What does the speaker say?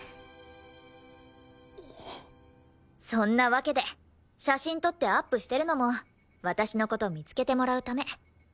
そんなわけで写真撮ってアップしてるのも私の事見つけてもらうため。